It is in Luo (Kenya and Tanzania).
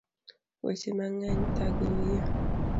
Weche mang'eny thago wiya